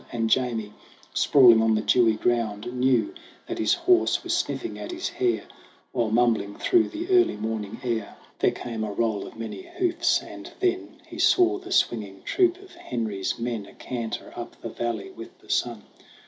And Jamie, sprawling on the dewy ground, Knew that his horse was sniffing at his hair, While, mumbling through the early morning air, GRAYBEARD AND GOLDHAIR 17 There came a roll of many hoofs and then He saw the swinging troop of Henry's men A canter up the valley with the sun.